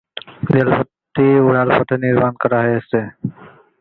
রেলপথটি উড়াল পথে নির্মাণ করা হয়েছে।